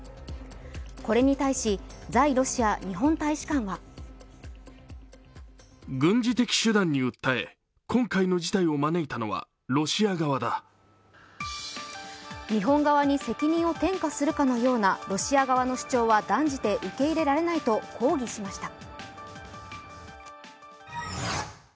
これに対し、在ロシア日本大使館は日本側に責任を転嫁するかのようなロシア側の主張は断じて受け入れられないと抗議しました。